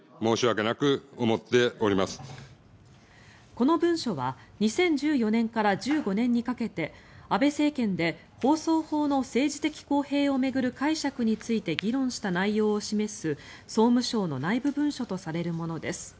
この文書は２０１４年から１５年にかけて安倍政権で放送法の政治的公平を巡る解釈について議論した内容を示す総務省の内部文書とされるものです。